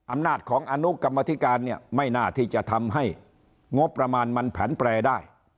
อำนาจของอนุกรรมธิการเนี่ยไม่น่าที่จะทำให้งบประมาณมันแผนแปรได้